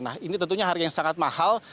nah ini tentunya harga yang sangat mahal